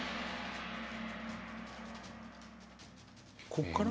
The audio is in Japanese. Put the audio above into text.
ここから？